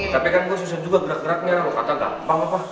tapi kan gua susen juga gerak geraknya lu kata gak apa apa